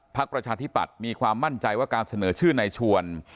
ประชาธิปัตย์มีความมั่นใจว่าการเสนอชื่อนายชวน